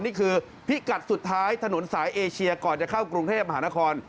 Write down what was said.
นี่คือพิกัดสุดท้ายถนนสายเอเชียก่อนจะเข้ากรุงเทพมหานคร